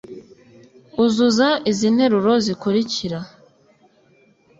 uzuza izi interuro zikurikira